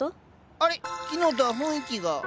あれ昨日とは雰囲気が。